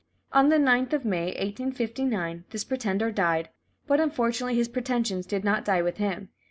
On the 9th of May, 1859, this pretender died, but unfortunately his pretensions did not die with him.